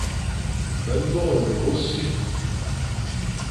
Be ndôghe lôr ôsṽi,